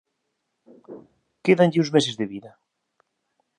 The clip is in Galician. Quédanlle uns meses de vida